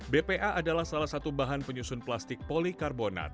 bpa adalah salah satu bahan penyusun plastik polikarbonat